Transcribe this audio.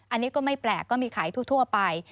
อันนี้ก็ไม่แปลกก็มีขายทั่วไป